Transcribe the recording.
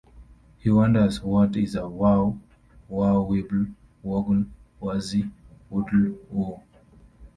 He wonders What is a Wow Wow Wibble Woggle Wazzie Woodle Woo?